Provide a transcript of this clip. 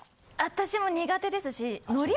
私も苦手ですし。